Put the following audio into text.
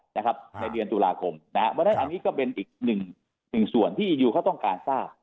ในเดือนปฎุลาคมเพราะอันนี้ก็เป็นอีกหนึ่งส่วนที่อียูเขาต้องการทราบ